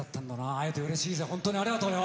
会えてうれしいぜ本当にありがとうよ。